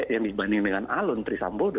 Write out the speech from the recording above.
yang dibanding dengan alun trisambodo